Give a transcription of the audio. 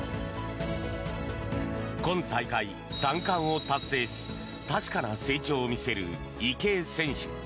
今大会、３冠を達成し確かな成長を見せる池江選手。